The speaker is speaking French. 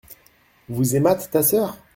Vous aimâtes ta sœur.